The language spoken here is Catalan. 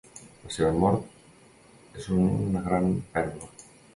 La seva mort és una gran pèrdua.